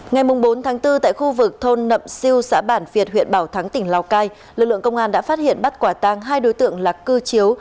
ngày bốn tháng bốn tại khu vực thôn nậm siêu xã bản việt huyện bảo thắng tỉnh lào cai lực lượng công an đã phát hiện bắt quả tang hai đối tượng là cư chiếu